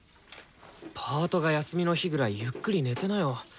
パートが休みの日ぐらいゆっくり寝てなよ。